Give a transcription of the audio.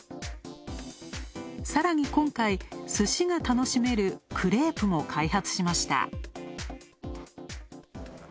さらに今回、寿司が楽しめるクレープも開発しました。